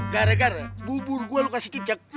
gara gara bubur gua lu kasih cicak